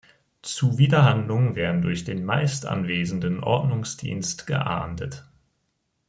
Zuwiderhandlungen werden durch den meist anwesenden Ordnungsdienst geahndet.